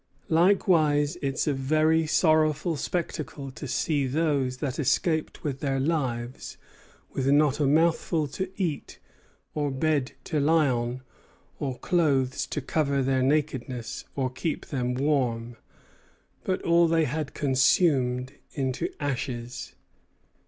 Likewise it's a very sorrowful spectacle to see those that escaped with their lives with not a mouthful to eat, or bed to lie on, or clothes to cover their nakedness, or keep them warm, but all they had consumed into ashes.